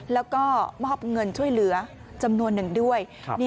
แล้วก็มอบเงินช่วยเหลือจำนวนหนึ่งด้วย